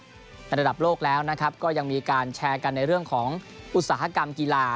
ในระดับโลกแล้วนะครับก็ยังมีการแชร์กันในเรื่องของอุตสาหกรรมกีฬา